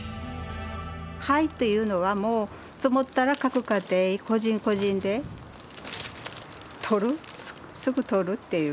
灰というのはもう積もったら各家庭個人個人で取るすぐ取るっていう